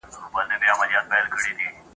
د بهار په انتظار یو ګوندي راسي !.